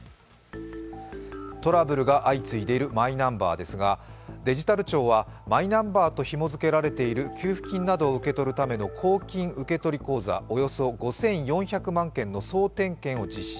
トラブルが相次いでいるマイナンバーですが、デジタル庁はマイナンバーとひも付けられている給付金などを受け取るための公金受取口座、およそ５４００万件の総点検を実施。